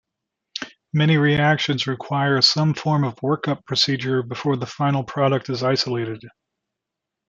Many reactions require some form of work-up procedure before the final product is isolated.